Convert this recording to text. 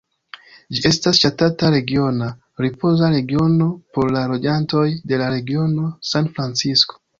Ĝi estas ŝatata regiona ripoza regiono por la loĝantoj de la regiono San Francisko.